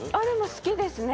好きですね。